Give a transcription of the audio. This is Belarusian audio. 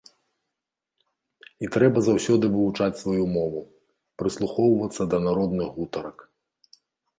І трэба заўсёды вывучаць сваю мову, прыслухоўвацца да народных гутарак.